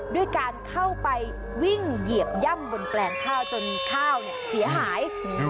ด้วยการเข้าไปวิ่งเหยียบย่ำบนแปลงข้าวจนข้าวเสียหาย